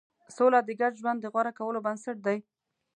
سوله د ګډ ژوند د غوره کولو بنسټ دی.